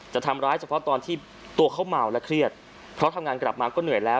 จะทำร้ายเฉพาะตอนที่ตัวเขาเมาและเครียดเพราะทำงานกลับมาก็เหนื่อยแล้ว